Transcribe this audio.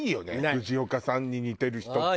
藤岡さんに似てる人って。